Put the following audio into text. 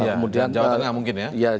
kemudian jawa tengah mungkin ya